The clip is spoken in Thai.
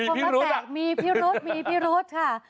เกือบความลับแตกมีพิรุษค่ะใช่มีพิรุธค่ะ